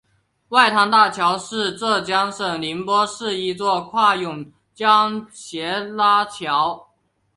外滩大桥是浙江省宁波市一座跨甬江斜拉桥。